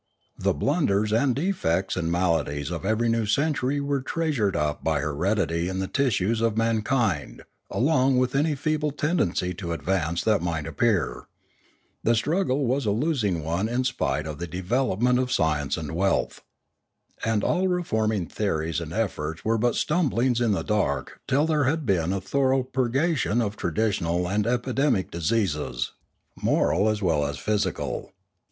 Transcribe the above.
The blunders and defects and maladies of every new century were treasured up by heredity in the tissues of man kind along with any feeble tendency to advance that might appear. The struggle was a losing one in spite of the development of science and wealth. And all re forming theories and efforts were but stumblings in the dark till there had been a thorough purgation of traditional and epidemic diseases, moral as well as phy Another Threat 5°5 sical.